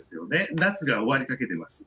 夏が終わりかけてます。